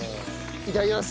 いただきます！